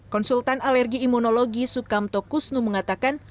konsultan alergi imunologi sukam tokusnu mengatakan